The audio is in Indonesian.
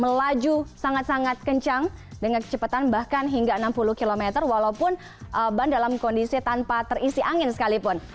melaju sangat sangat kencang dengan kecepatan bahkan hingga enam puluh km walaupun ban dalam kondisi tanpa terisi angin sekalipun